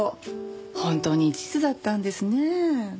本当に一途だったんですねえ。